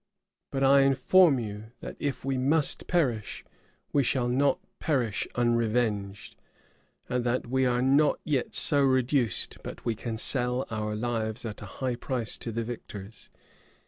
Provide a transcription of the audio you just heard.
But I inform you, that, if we must perish, we shall not perish unrevenged; and that we are not yet so reduced but we can sell our lives at a high price to the victors.